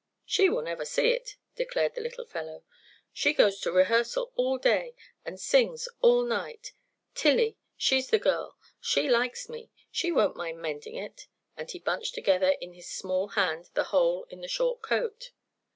"She will never see it," declared the little fellow. "She goes to rehearsal all day and sings all night. Tillie—she's the girl—she likes me. She won't mind mending it," and he bunched together in his small hand the hole in the short coat.